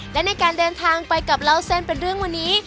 และในการเดินทางไปกับเล่าเส้นเป็นเรื่องวันนี้